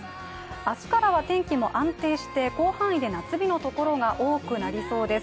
明日からは天気も安定して広範囲で夏日のところが多くなりそうです。